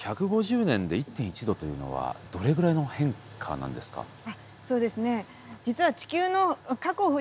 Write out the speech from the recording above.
１５０年で１．１度というのはどれぐらいの変化なんですか？